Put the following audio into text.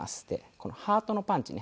このハートのパンチね。